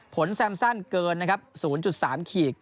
ผลแซมสั้นเกินนะครับศูนย์จุดสามขีด